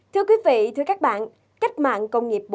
thưa quý vị thưa các bạn cách mạng công nghiệp bốn